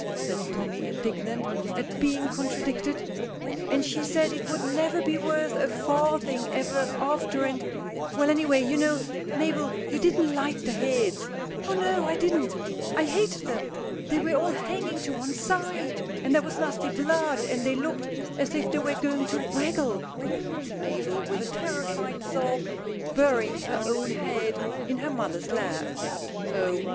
says Tommy, indignant at being contradicted, "and she said it would never be worth a farthing ever after, and Well, any way, you know, Mabel, you didn't like the heads." "Oh, no; I didn't I hated them! They were all hanging to one side; and there was nasty blood, and they looked as if they was going to waggle," concludes Mabel, with a terrified sob, burying her own head in her mother's lap. "Oh!